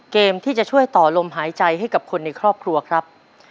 เกมที่จะช่วยต่อลมหายใจให้กับคนในครอบครัวครับ